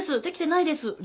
できてないです